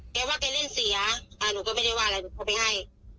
แกว่าแกเล่นสีอ่ะอ่ะหนูก็ไม่ได้ว่าอะไรตามไปให้